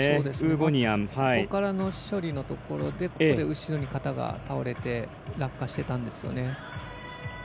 ここからの処理のところで後ろに倒れて落下してたんですよね。